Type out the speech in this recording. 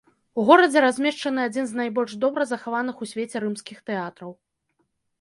У горадзе размешчаны адзін з найбольш добра захаваных у свеце рымскіх тэатраў.